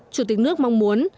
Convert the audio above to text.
chủ tịch nước mong muốn